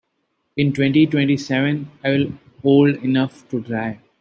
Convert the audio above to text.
In twenty-twenty-seven I will old enough to drive.